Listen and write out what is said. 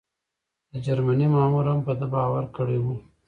د جرمني مامور هم په ده باور کړی و.